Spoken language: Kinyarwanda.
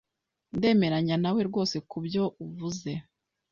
Ndemeranya nawe rwose kubyo uvuze.